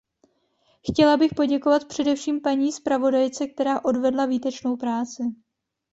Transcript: Chtěla bych poděkovat především paní zpravodajce, která odvedla výtečnou práci.